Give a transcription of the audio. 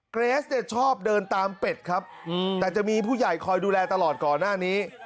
เกรสเนี่ยชอบเดินตามเป็ดครับแต่จะมีผู้ใหญ่คอยดูแลตลอดก่อนหน้านี้